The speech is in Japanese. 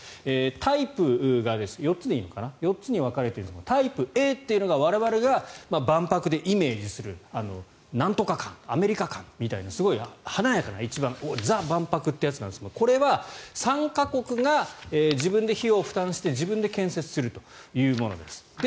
タイプが４つに分かれてるんですがタイプＡというのが我々が万博でイメージするなんとか館アメリカ館みたいなすごい華やかな一番ザ・万博というやつなんですがこれは参加国が自分で費用を負担して自分で建設するというものです。